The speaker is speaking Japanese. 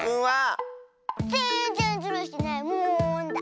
ぜんぜんズルしてないもんだ。